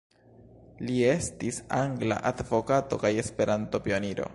Li estis angla advokato kaj Esperanto-pioniro.